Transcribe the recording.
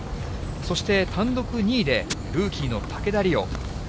そして、単独２位で、ルーキーの竹田麗央。